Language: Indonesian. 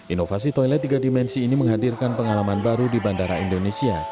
inovasi toilet tiga dimensi ini menghadirkan pengalaman baru di bandara indonesia